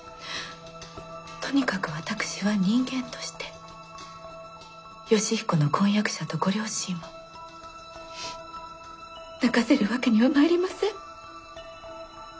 とにかく私は人間として義彦の婚約者とご両親を泣かせるわけにはまいりません。